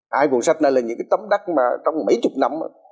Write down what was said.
hai cuốn sách này là những cái tấm đắc mà trong mấy chục năm